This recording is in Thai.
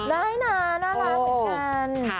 ได้นะน่ารักเหมือนกัน